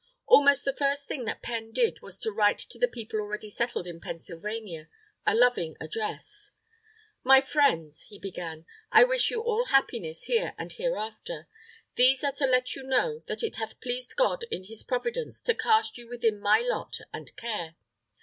Almost the first thing that Penn did was to write to the people already settled in Pennsylvania, "a loving address." "My Friends," he began, "I wish you all happiness, here and hereafter. These are to let you know that it hath pleased God, in his providence, to cast you within my lot and care....